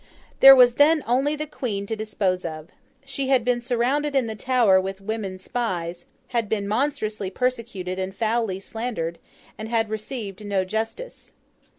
There was then only the Queen to dispose of. She had been surrounded in the Tower with women spies; had been monstrously persecuted and foully slandered; and had received no justice.